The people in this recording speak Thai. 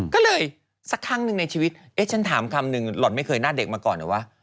ก็เลยสักครั้งหนึ่งในชีวิตเอ๊ะฉันถามคำนึงหล่อนไม่เคยหน้าเด็กมาก่อนเหรอวะ